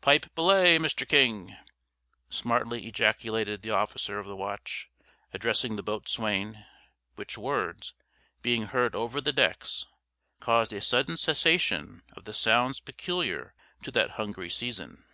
"Pipe belay! Mr. King," smartly ejaculated the officer of the watch, addressing the boatswain; which words, being heard over the decks, caused a sudden cessation of the sounds peculiar to that hungry season.